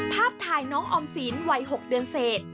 ภาพถ่ายน้องออมสินวัย๖เดือนเศษ